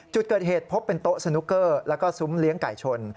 จุดเกิดเหตุพบเป็นโต๊ะสนุกเกอร์แล้วก็ซุ้มเลี้ยงไก่ชน